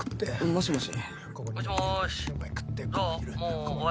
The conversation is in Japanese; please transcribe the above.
もしもし！？